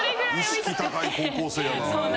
意識高い高校生やな。